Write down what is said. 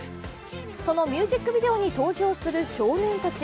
そのミュージックビデオに登場する少年たち。